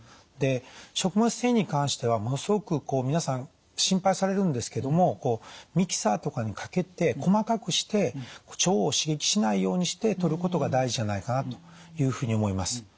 で食物繊維に関してはものすごく皆さん心配されるんですけどもミキサーとかにかけて細かくして腸を刺激しないようにしてとることが大事じゃないかなというふうに思います。